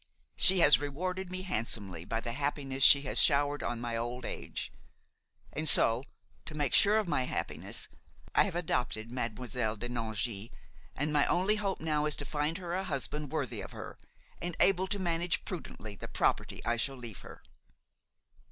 She has rewarded me handsomely by the happiness she has showered on my old age. And so, to make sure of my happiness, I have adopted Mademoiselle de Nangy, and my only hope now is to find her a husband worthy of her and able to manage prudently the property I shall leave her."